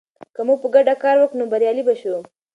که موږ په ګډه کار وکړو، نو بریالي به شو.